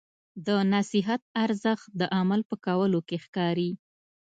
د نصیحت ارزښت د عمل په کولو کې ښکاري.